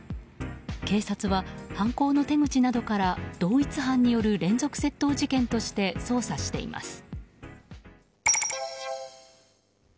警察は、犯行の手口などから同一犯による連続窃盗事件として捜査しています。